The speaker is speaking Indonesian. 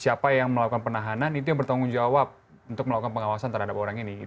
siapa yang melakukan penahanan itu yang bertanggung jawab untuk melakukan pengawasan terhadap orang ini